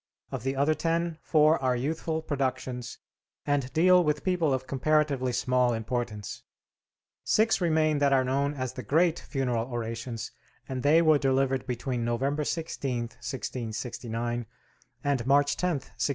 Of the other ten, four are youthful productions and deal with people of comparatively small importance. Six remain that are known as the great funeral orations, and they were delivered between November 16th, 1669, and March 10th, 1687.